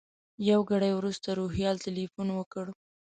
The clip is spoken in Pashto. یو ګړی وروسته روهیال تیلفون وکړ.